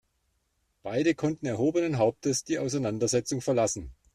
Beide konnten erhobenen Hauptes die Auseinandersetzung verlassen.